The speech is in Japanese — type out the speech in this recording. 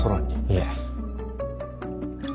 いえ。